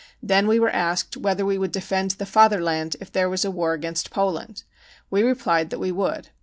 Then we were asked whether we would defend the Fatherland if there was a war against Poland. We replied that we would.